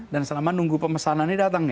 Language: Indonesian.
dan selama nunggu pemesanan ini datang